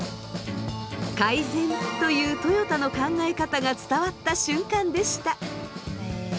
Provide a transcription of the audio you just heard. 「改善」というトヨタの考え方が伝わった瞬間でした。